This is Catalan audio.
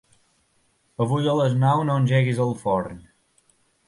Avui a les nou no engeguis el forn.